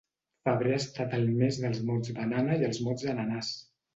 Febrer ha estat el mes dels mots banana i els mots ananàs.